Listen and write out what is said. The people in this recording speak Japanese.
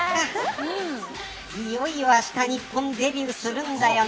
いよいよあした日本デビューするんだよね。